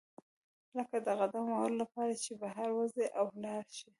لکه د قدم وهلو لپاره چې بهر وزئ او لاړ شئ.